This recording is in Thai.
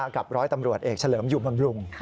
กับร้อยตำรวจเอกเฉลิมอยู่บำรุง